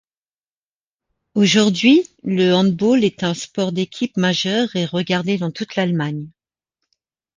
Aujourd'hui, le handball est un sport d'équipe majeur et regardé dans toute l'Allemagne.